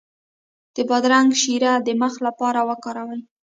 د بادرنګ شیره د مخ لپاره وکاروئ